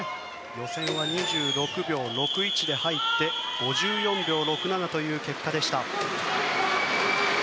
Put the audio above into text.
予選は２６秒６１で入って５４秒６７という結果でした。